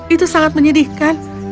itu sangat menyedihkan